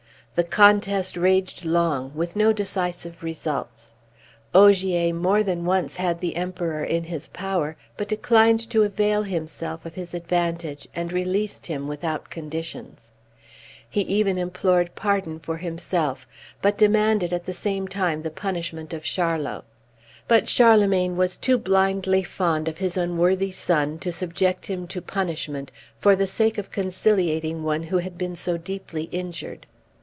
The contest raged long, with no decisive results. Ogier more than once had the Emperor in his power, but declined to avail himself of his advantage, and released him without conditions. He even implored pardon for himself, but demanded at the same time the punishment of Charlot. But Charlemagne was too blindly fond of his unworthy son to subject him to punishment for the sake of conciliating one who had been so deeply injured.